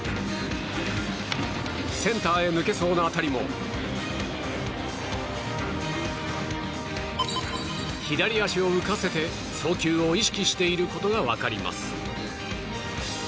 センターへ抜けそうな当たりも左足を浮かせて、送球を意識していることが分かります。